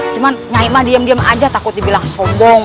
cuma nyai mah diam diam aja takut dibilang sombong